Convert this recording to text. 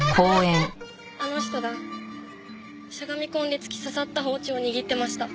あの人がしゃがみ込んで突き刺さった包丁を握ってました。